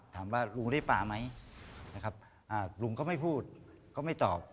ถามว่าลุงได้ปลาไหมลุงก็ไม่พูดไม่ตอบ